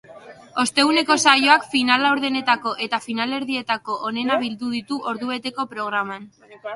Osteguneko saioak final-laurdenetako eta finalerdietako onena bildu ditu ordubeteko programan.